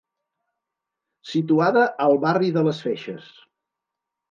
Situada al barri de les Feixes.